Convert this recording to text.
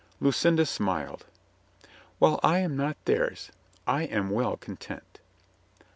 Lucinda smiled. "While I am not theirs, I am well content."